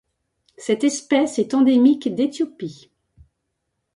Cette espèce est endémique d'Éthiopie.